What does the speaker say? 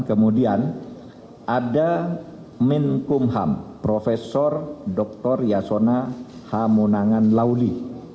kemudian ada menkumham prof dr yasona hamunangan lauli